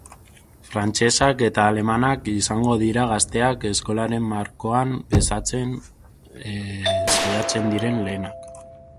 Frantsesak eta alemanak izango dira gazteak eskolaren markoan bezatzen saiatzen diren lehenak.